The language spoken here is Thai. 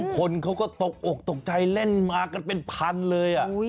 คนเขาก็ตกอกตกใจเล่นมากันเป็นพันเลย